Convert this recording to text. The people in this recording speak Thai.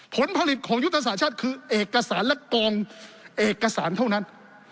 ผลผลิตของยุทธศาสตร์ชาติคือเอกสารและกองเอกสารเท่านั้น